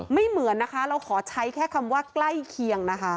เหมือนนะคะเราขอใช้แค่คำว่าใกล้เคียงนะคะ